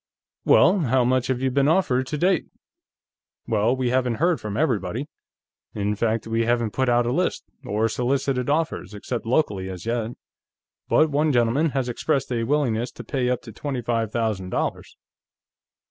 "Well, how much have you been offered, to date?" "Well, we haven't heard from everybody. In fact, we haven't put out a list, or solicited offers, except locally, as yet. But one gentleman has expressed a willingness to pay up to twenty five thousand dollars."